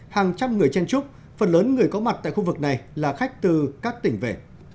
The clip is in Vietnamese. hàng trăm người chen trúc phần lớn người có mặt tại khu vực này là khách từ các tỉnh về